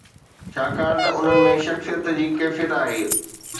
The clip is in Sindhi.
ڇاڪاڻ ته انهن ۾ شخصيت جي ڪيفيت آهي.